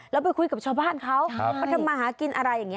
แล้วไปคุยกับชาวบ้านเขาเขาทำมาหากินอะไรอย่างนี้